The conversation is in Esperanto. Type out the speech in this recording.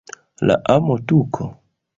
La amo-tuko?